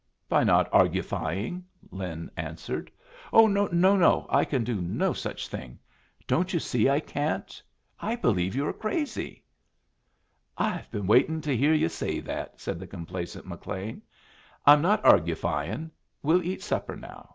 "By not argufying," Lin answered. "Oh no, no! I can do no such thing. Don't you see I can't? I believe you are crazy." "I've been waiting to hear yu' say that," said the complacent McLean. "I'm not argufying. We'll eat supper now.